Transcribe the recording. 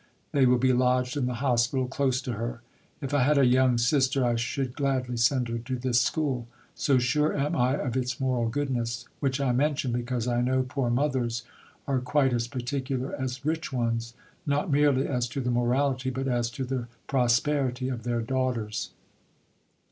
They will be lodged in the Hospital, close to her. If I had a young sister, I should gladly send her to this school so sure am I of its moral goodness; which I mention, because I know poor mothers are quite as particular as rich ones, not merely as to the morality but as to the prosperity of their daughters.